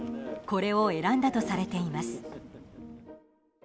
これを選んだとされています。